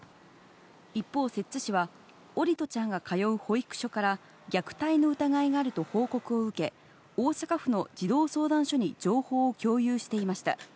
一方、摂津市は桜利斗ちゃんが通う保育所から、虐待の疑いがあると報告を受け、大阪府の児童相談所に情報を共有していました。